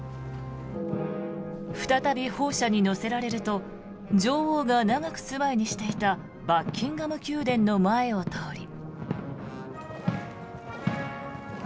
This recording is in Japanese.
再び砲車に載せられると女王が長く住まいにしていたバッキンガム宮殿の前を通り。